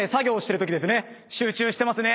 集中してますね。